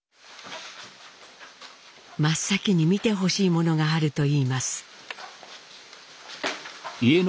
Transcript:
真っ先に見てほしいものがあると言います。